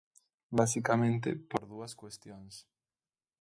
Basicamente por dúas cuestións.